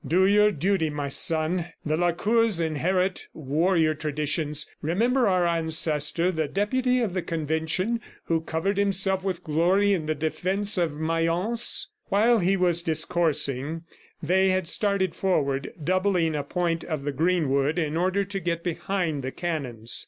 "Do your duty, my son. The Lacours inherit warrior traditions. Remember our ancestor, the Deputy of the Convention who covered himself with glory in the defense of Mayence!" While he was discoursing, they had started forward, doubling a point of the greenwood in order to get behind the cannons.